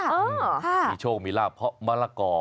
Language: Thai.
เออมีโชคมีลาบเพราะมะละกอ